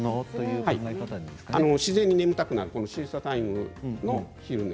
自然に眠たくなるシエスタタイムの昼寝。